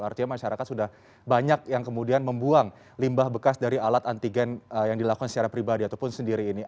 artinya masyarakat sudah banyak yang kemudian membuang limbah bekas dari alat antigen yang dilakukan secara pribadi ataupun sendiri ini